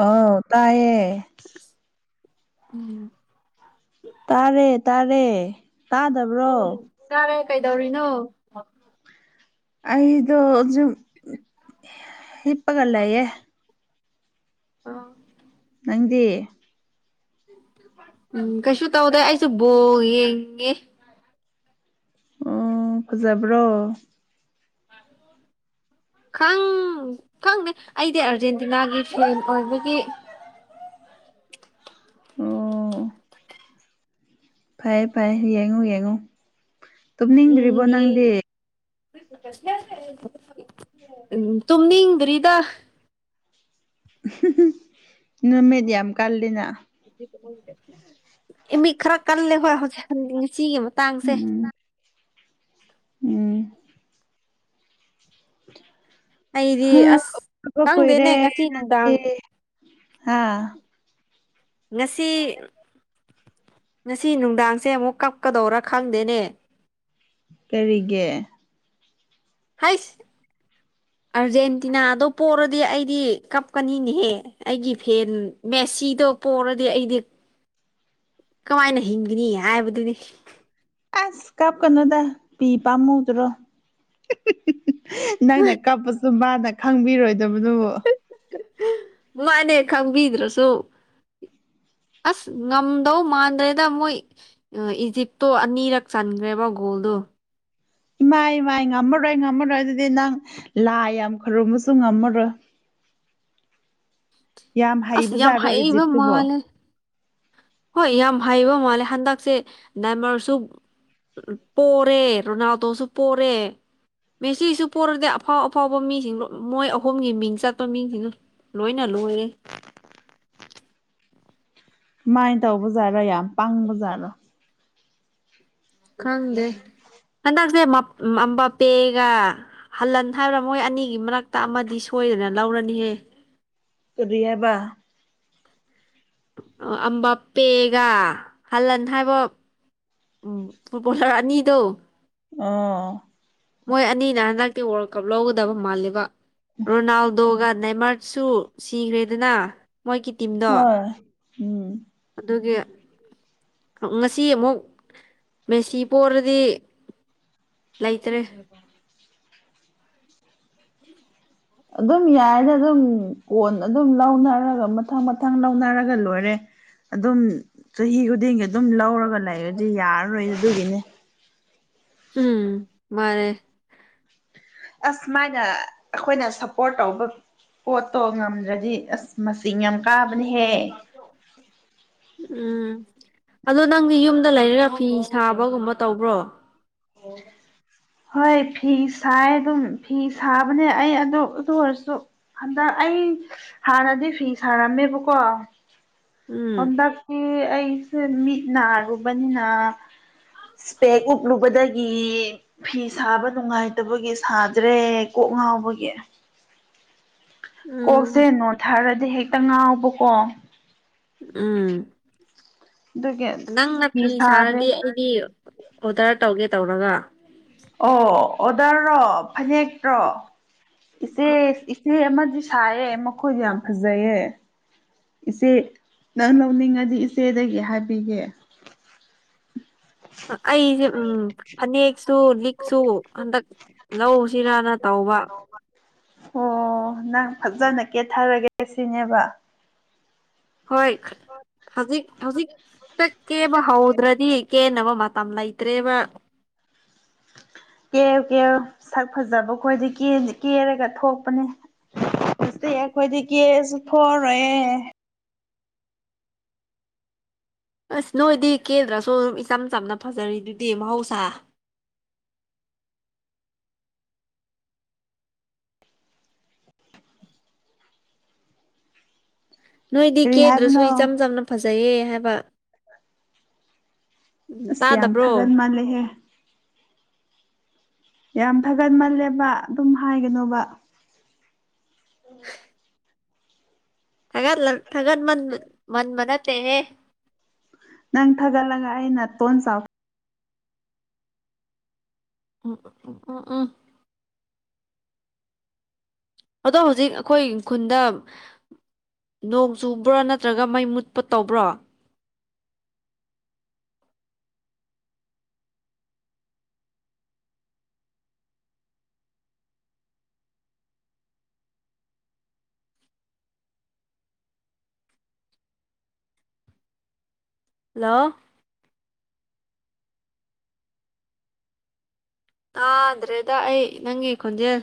ꯑꯥꯎ ꯇꯥꯏꯌꯦ ꯎꯝ ꯇꯥꯔꯦ ꯇꯥꯔꯦ ꯇꯥꯗꯕ꯭ꯔꯣ ꯎꯝ ꯇꯥꯔꯦ ꯀꯩꯗꯧꯔꯤꯅꯣ ꯑꯩꯗꯣ ꯁꯨꯝ ꯍꯤꯞꯄꯒ ꯂꯩꯌꯦ ꯑꯝ ꯅꯪꯗꯤ ꯎꯝ ꯀꯩꯁꯨ ꯇꯧꯗꯦ ꯑꯩꯁꯨ ꯕꯣꯜ ꯌꯦꯡꯉꯤ ꯑꯣ ꯐꯖꯕ꯭ꯔꯣ ꯑ [inaudible] ꯈꯪ ꯈꯪꯗꯦ ꯑꯩꯗꯤ ꯑꯥꯔꯖꯦꯟꯇꯤꯅꯥꯒꯤ ꯐ꯭ꯔꯦꯟ ꯑꯣꯏꯕꯒꯤ ꯑꯣ ꯐꯩꯌꯦ ꯐꯩꯌꯦ ꯌꯦꯡꯉꯣ ꯌꯦꯡꯉꯣ ꯎꯝ [inaudible] ꯎꯝ ꯇꯨꯝꯅꯤꯡꯗ꯭ꯔꯤꯗ꯫ [unintelligible] ꯅꯨꯃꯤꯠ ꯌꯥꯝ ꯀꯜꯂꯤꯅ꯫ ꯏꯃꯤꯠ ꯈꯔ ꯀꯜꯂꯦ ꯍꯣꯏ ꯍꯧꯖꯤ ꯉꯁꯤꯒꯤ ꯃꯇꯥꯡꯁꯦ꯫ ꯎꯝ ꯎꯝ꯫ ꯑꯩꯗꯤ ꯍ ꯑꯁ ꯗꯕ ꯀꯨꯏꯔꯦ ꯈꯪꯗꯦꯅꯦ ꯉꯁꯤ ꯅꯨꯡꯗꯥꯡ ꯅꯪꯗꯤ ꯍꯥ꯫ ꯉꯁꯤ ꯉꯁꯤ ꯅꯨꯡꯗꯥꯡꯁꯦ ꯑꯃꯨꯛ ꯀꯞꯀꯗꯧꯔꯥ ꯈꯪꯗꯦꯅꯦ꯫ ꯀꯔꯤꯒꯤ꯫ ꯍꯥꯏꯁ ꯑꯥꯔꯖꯦꯟꯇꯤꯅꯥꯗꯣ ꯄꯣꯔꯗꯤ ꯑꯩꯗꯤ ꯀꯞꯀꯅꯤꯅꯦꯍꯦ꯫ ꯑꯩꯒꯤ ꯐꯦꯟ ꯃꯦꯁꯤꯗꯣ ꯄꯣꯔꯗꯤ ꯑꯩꯗꯤ ꯀꯃꯥꯏꯅ ꯍꯤꯡꯒꯅꯤ ꯍꯥꯏꯕꯗꯨꯅꯤ꯫ ꯑꯁ ꯀꯥꯞꯀꯅꯨꯗ ꯄꯤ ꯄꯥꯝꯃꯨꯗ꯭ꯔꯣ꯫ [unintelligible] ꯅꯪꯅ ꯀꯞꯄꯁꯨ ꯃꯥꯅ ꯈꯪꯕꯤꯔꯣꯏꯗꯕꯗꯨꯕꯨ꯫ ꯃꯥꯅꯦ ꯈꯪꯕꯤꯗ꯭ꯔꯁꯨ ꯑꯁ ꯉꯝꯗꯧ ꯃꯥꯟꯗ꯭ꯔꯦꯗ ꯃꯣꯏ꯫ ꯏꯖꯤꯞꯇꯣ ꯑꯅꯤꯔꯛ ꯆꯟꯈ꯭ꯔꯦꯕ ꯒꯣꯜꯗꯣ꯫ ꯏꯃꯥꯏ ꯏꯃꯥꯏ ꯉꯝꯃꯔꯣꯏ ꯉꯝꯃꯔꯣꯏ ꯑꯗꯨꯗꯤ ꯅꯪ ꯂꯥꯏ ꯌꯥꯝ ꯈꯔꯨꯝꯃꯁꯨ ꯉꯝꯃꯔꯣꯏ꯫ ꯌꯥꯝ ꯑꯁ ꯌꯥꯝ ꯍꯩꯕꯖꯥꯠꯔꯣ ꯍꯩꯕ ꯏꯖꯤꯞꯇꯨꯕꯣ꯫ ꯃꯥꯜꯂꯦ ꯍꯣꯏ ꯌꯥꯝ ꯍꯩꯕ ꯃꯥꯜꯂꯦ ꯍꯟꯗꯛꯁꯦ ꯅꯦꯃꯔꯁꯨ ꯄꯣꯔꯦ ꯔꯣꯅꯥꯜꯗꯣꯁꯨ ꯄꯣꯔꯦ꯫ ꯃꯦꯁꯤꯁꯨ ꯄꯣꯔꯗꯤ ꯑꯐꯥꯎ ꯑꯐꯥꯎꯕ ꯃꯤꯁꯤꯡ ꯂꫭ ꯃꯣꯏ ꯑꯍꯨꯝꯒꯤ ꯃꯤꯡ ꯆꯠꯄ ꯃꯤꯁꯤꯡꯅ ꯂꯣꯏꯅ ꯂꯣꯏꯔꯦ꯫ ꯁꯨꯃꯥꯏꯅ ꯇꯧꯕꯖꯥꯠꯔꯣ ꯌꯥꯝ ꯄꯪꯕ ꯖꯥꯠꯔꯣ꯫ ꯈꯪꯗꯦ ꯍꯟꯗꯁꯦ ꯃꯞ ꯎꯝ ꯑꯝꯕꯥꯄꯦꯒ ꯍꯜꯂꯟ ꯍꯥꯏꯕ꯭ꯔꯥ ꯃꯣꯏ ꯑꯅꯤꯒꯤ ꯃꯔꯛꯇ ꯑꯃꯗꯤ ꯁꯣꯏꯗꯅ ꯂꯧꯔꯅꯤꯍꯦ꯫ ꯀꯔꯤ ꯍꯥꯏꯕꯥ꯫ ꯑ ꯑꯝꯕꯄꯦꯒ ꯍꯜꯂꯟ ꯍꯥꯏꯕ ꯎꯝ ꯐꯨꯠꯕꯣꯂꯔ ꯑꯅꯤꯗꯣ꯫ ꯑꯣ꯫ ꯃꯣꯏ ꯑꯅꯤꯅ ꯍꯟꯗꯛꯇꯤ ꯋꯥꯔꯜ ꯀꯞ ꯂꯧꯒꯗꯕ ꯃꯥꯜꯂꯦꯕ ꯔꯣꯅꯥꯜꯗꯣꯒ ꯅꯦꯃꯔ ꯁꯨ ꯁꯤꯈ꯭ꯔꯦꯗꯅ꯫ ꯃꯣꯏꯒꯤ ꯇꯤꯝ ꯍꯣꯏ ꯎꯝ꯫ ꯑꯗꯨꯒꯤ꯫ ꯉꯁꯤ ꯑꯃꯨꯛ ꯃꯦꯁꯤ ꯄꯣꯔꯗꯤ ꯂꯩꯇ꯭ꯔꯦ꯫ ꯑꯗꯨꯝ ꯌꯥꯏꯗ ꯑꯗꯨꯝ ꯀꯣꯟ ꯑꯗꯨꯝ ꯂꯧꯅꯔꯒ ꯃꯊꯪ-ꯃꯊꯪ ꯂꯧꯅꯔꯒ ꯂꯣꯏꯔꯦ꯫ ꯑꯗꯨꯝ ꯆꯍꯤ ꯈꯨꯗꯤꯡꯒꯤ ꯑꯗꯨꯝ ꯂꯧꯔꯒ ꯂꯩꯔꯗꯤ ꯌꯥꯔꯔꯣꯏ ꯑꯗꯨꯒꯤꯅꯦ꯫ ꯎꯝ ꯃꯥꯅꯦ꯫ ꯑꯁ ꯃꯥꯥꯏꯅ ꯑꯈꯣꯏꯅ ꯁꯞꯄꯣꯔꯠ ꯇꯧꯕ ꯄꯣꯠꯇꯣ ꯉꯝꯗ꯭ꯔꯗꯤ ꯑꯁ ꯃꯁꯤꯡ ꯌꯥꯝ ꯀꯥꯕꯅꯤꯍꯦ꯫ ꯎꯝ ꯑꯗꯣ ꯅꯪꯗꯤ ꯌꯨꯝꯗ ꯂꯩꯔꯒ ꯐꯤ ꯁꯥꯕꯒꯨꯝꯕ ꯇꯧꯕ꯭ꯔꯣ꯫ ꯍꯣꯏ ꯐꯤ ꯁꯥꯏ ꯑꯗꯨꯝ ꯐꯤ ꯁꯥꯕꯅꯦ ꯑꯩ ꯑꯗꯨ ꯑꯗꯨ ꯑꯣꯏꯔꯁꯨ ꯍꯟꯗꯛ ꯑꯩ ꯍꯥꯟꯅꯗꯤ ꯐꯤ ꯁꯥꯔꯝꯃꯦꯕꯀꯣ꯫ ꯎꯝ ꯍꯟꯗꯛꯇꯤ ꯑꯩꯁꯦ ꯃꯤꯠ ꯅꯥꯔꯨꯕꯅꯤꯅ ꯁ꯭ꯄꯦꯀ ꯎꯞꯂꯨꯕꯗ ꯒꯤ ꯐꯤ ꯁꯥꯕ ꯅꯨꯡꯉꯥꯏꯇꯕꯒꯤ ꯁꯥꯗ꯭ꯔꯦ ꯀꯣꯛ ꯉꯥꯎꯕꯒꯤ ꯀꯣꯛꯁꯦ ꯎꯝ ꯅꯣꯠꯊꯥꯔꯗꯤ ꯍꯦꯛꯇ ꯉꯥꯎꯕꯀꯣ ꯎꯝ ꯑꯗꯨꯒꯤ ꯅꯪꯅ ꯐꯤ ꯁꯥꯔꯗꯤ ꯑꯩꯗꯤ ꯑꯣꯗꯔ ꯇꯧꯒꯦ ꯇꯧꯔꯒ ꯑꯣ ꯑꯣꯗꯔꯔꯣ ꯐꯅꯦꯛꯔꯣ ꯏꯆꯦ ꯐꯤ ꯑꯃꯗꯤ ꯁꯥꯏꯌꯦ ꯃꯈꯨꯠ ꯌꯥꯝ ꯐꯖꯩꯌꯦ ꯏꯆꯦ ꯅꯪ ꯂꯧꯅꯤꯡꯉꯗꯤ ꯏꯆꯦꯗꯒꯤ ꯍꯥꯏꯕꯤꯒꯦ ꯑꯩꯖꯦ ꯎꯝ ꯐꯅꯦꯛꯁꯨ ꯂꯤꯛꯁꯨ ꯍꯟꯗꯛ ꯂꯧꯁꯤꯔꯅ ꯇꯧꯕ ꯑꯣ ꯅꯪ ꯐꯖꯅ ꯀꯦꯊꯔꯒꯦ ꯁꯤꯅꯦꯕ ꯍꯣꯏ ꯍꯧꯖꯤꯛ ꯍꯧꯖꯤꯛꯇ ꯀꯦꯕ ꯍꯧꯗ꯭ꯔꯗꯤ ꯀꯦꯟꯅꯕ ꯃꯇꯝ ꯂꯩꯇ꯭ꯔꯦꯕ ꯀꯦꯌꯣ ꯀꯦꯌꯣ ꯁꯛ ꯐꯖꯕ ꯈꯣꯏꯗꯤ ꯀꯦꯔꯒ ꯊꯣꯛꯄꯅꯦ ꯍꯧꯖꯤꯛꯇꯤ ꯑꯩꯈꯣꯏꯗꯤ ꯀꯦꯔꯁꯨ ꯊꯣꯛꯑꯔꯣꯏꯑꯦ ꯑꯁ ꯅꯣꯏꯗꯤ ꯀꯦꯗ꯭ꯔꯁꯨ ꯑꯗꯨꯝ ꯏꯆꯝ ꯆꯝꯅ ꯐꯖꯔꯤ ꯑꯗꯨꯗꯤ ꯃꯍꯧꯁꯥ ꯅꯣꯏꯗꯤ ꯀꯔꯤ ꯀꯦꯗ꯭ꯔꯁꯨ ꯍꯥꯏꯕꯅꯣ ꯏꯆꯝ ꯆꯝꯅ ꯐꯖꯩꯌꯦ ꯍꯥꯏꯕ ꯎꯝ ꯑꯁ ꯌꯥꯝ ꯇꯥꯗꯕ꯭ꯔꯣ ꯊꯥꯒꯠ ꯃꯜꯂꯦꯍꯦ ꯌꯥꯝ ꯊꯥꯒꯠꯃꯜꯂꯦꯕ ꯑꯗꯨꯝ ꯍꯥꯏꯒꯅꯣꯕ [inaudible] ꯊꯒꯠꯂ ꯊꯒꯠ ꯃꯟ ꯃꯟꯕ ꯅꯠꯇꯦꯍꯦ ꯅꯪ ꯊꯒꯠꯂꯒꯥ ꯑꯩ ꯅꯥꯇꯣꯟ ꯆꯥꯎ ꯎꯝ ꯎꯝ ꯎꯝ ꯑꯗꯣ ꯍꯧꯖꯤꯛ ꯑꯩꯈꯣꯏ ꯈꯨꯟꯗ ꯅꯣꯡ ꯆꯨꯕ꯭ꯔꯣ ꯅꯠꯇ꯭ꯔꯒ ꯃꯩ ꯃꯨꯠꯄ ꯇꯧꯕ꯭ꯔꯣ ꯍꯜꯂꯣ ꯇꯥꯥꯗ꯭ꯔꯦꯗ ꯑꯩ ꯅꯪꯒꯤ ꯈꯣꯟꯖꯦꯜ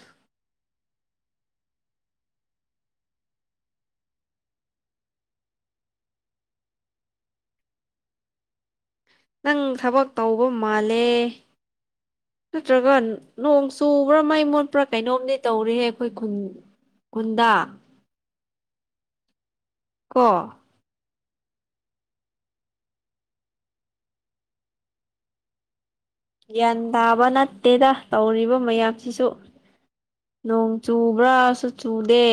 ꯅꯪ ꯊꯕꯛ ꯇꯧꯕ ꯃꯥꯜꯂꯦ ꯅꯠꯇ꯭ꯔꯒ ꯅꯣꯡ ꯆꯨꯕ꯭ꯔꯥ ꯃꯩ ꯃꯨꯠꯄ꯭ꯔꯥ ꯀꯩꯅꯣꯝꯗꯤ ꯇꯧꯔꯤꯍꯦ ꯑꯩꯈꯣꯏ ꯈꯨꯟ ꯀꯨꯟꯗꯥ ꯀꯣ ꯒ꯭ꯌꯥꯟ ꯇꯥꯕ ꯅꯠꯇꯦꯗ ꯇꯧꯔꯤꯕ ꯃꯌꯥꯝꯁꯤꯁꯨ ꯅꯣꯡ ꯆꯨꯕ꯭ꯔꯥꯁꯨ ꯆꯨꯗꯦ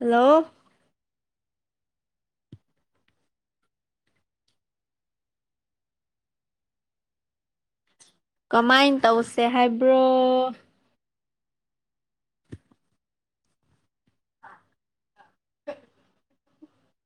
ꯍꯜꯂꯣ ꯀꯃꯥꯏꯅ ꯇꯧꯁꯦ ꯍꯥꯏꯕ꯭ꯔꯣ [inaudible]